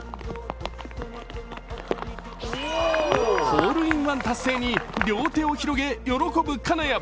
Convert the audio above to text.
ホールインワン達成に両手を広げ、喜ぶ金谷。